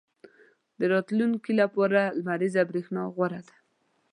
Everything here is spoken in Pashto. • د راتلونکي لپاره لمریزه برېښنا غوره ده.